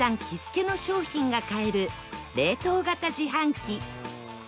喜助の商品が買える冷凍型自販機